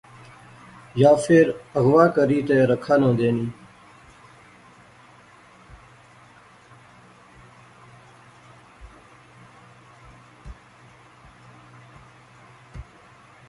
یا فیر اغوا کری تے رکھا ناں دینی